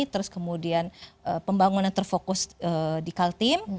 terus kemudian pembangunan terfokus di kaltim